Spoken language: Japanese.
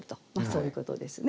そういうことですね。